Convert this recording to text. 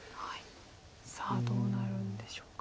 さあどうなるんでしょうか。